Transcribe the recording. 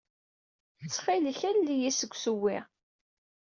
Ttxil-k, alel-iyi deg ussewwi.